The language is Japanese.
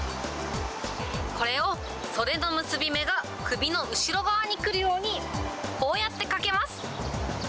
これを袖の結び目が首の後ろ側にくるようにこうやってかけます。